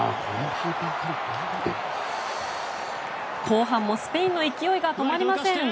後半もスペインの勢いが止まりません。